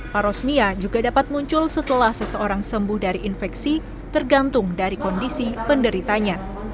parosmia juga dapat muncul setelah seseorang sembuh dari infeksi tergantung dari kondisi penderitanya